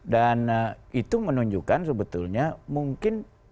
dan itu menunjukkan sebetulnya mungkin